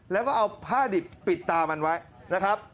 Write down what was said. แล้วก็เอาผ้าดิบปิดตามันไว้นะครับ